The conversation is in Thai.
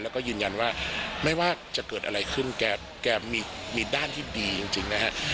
แล้วก็ยืนยันว่าไม่ว่าจะเกิดอะไรขึ้นแกมีด้านที่ดีจริงนะฮะ